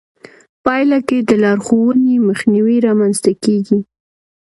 پايله کې د لارښوونې مخنيوی رامنځته کېږي.